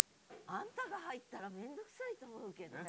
あんたが入ったら面倒くさいと思うけどね。